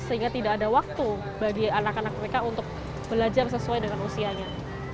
sehingga tidak ada waktu bagi anak anak mereka untuk belajar sesuai dengan usianya